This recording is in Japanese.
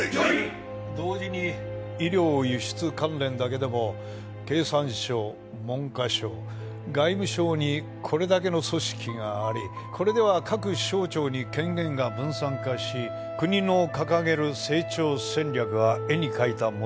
同時に医療輸出関連だけでも経産省文科省外務省にこれだけの組織がありこれでは各省庁に権限が分散化し国の掲げる成長戦略は絵に描いた餅と言わざるを得ない。